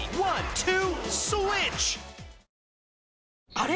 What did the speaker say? あれ？